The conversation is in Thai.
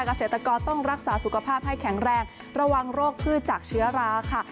เกษตรกรต้องรักษาสุขภาพให้แข็งแรงระวังโรคพืชจากเชื้อราค่ะ